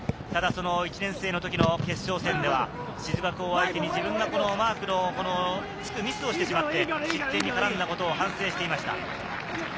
ただ、その１年生の時の決勝戦では静学を相手に自分がマークの付くミスをして、失点に絡んだことを反省していました。